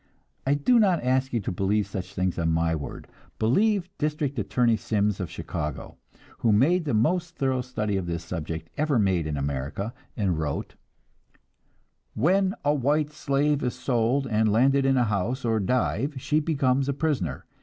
I do not ask you to believe such things on my word; believe District Attorney Sims of Chicago, who made the most thorough study of this subject ever made in America, and wrote: "When a white slave is sold and landed in a house or dive she becomes a prisoner....